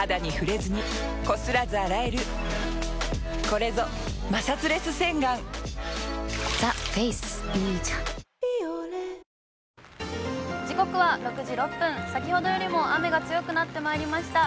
これはぜひ大きなスクリーン時刻は６時６分、先ほどよりも雨が強くなってまいりました。